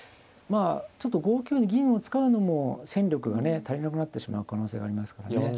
あちょっと５九に銀を使うのも戦力がね足りなくなってしまう可能性がありますからね。